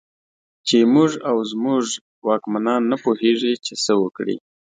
چې موږ او زموږ واکمنان نه پوهېږي چې څه وکړي.